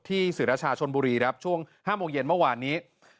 ศิราชาชนบุรีครับช่วง๕โมงเย็นเมื่อวานนี้